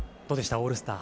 オールスター